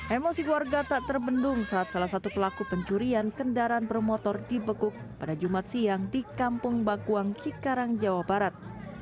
emosi warga tak terbendung saat salah satu pelaku pencurian kendaraan bermotor dibekuk pada jumat siang di kampung bakuang cikarang jawa barat